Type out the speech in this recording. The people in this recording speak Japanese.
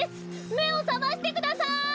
めをさましてください！